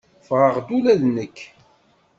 Ffɣeɣ-d ula d nekk.